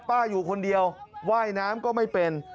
อยู่คนเดียวว่ายน้ำก็ไม่เป็น